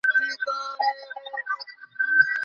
গোটাকতক অত্যন্ত কুৎসিত কথা লিখিয়াছে।